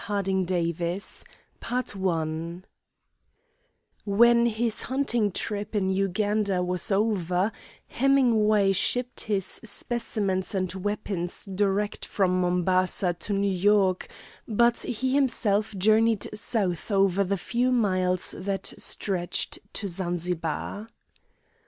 THE MEN OF ZANZIBAR When his hunting trip in Uganda was over, Hemingway shipped his specimens and weapons direct from Mombasa to New York, but he himself journeyed south over the few miles that stretched to Zanzibar.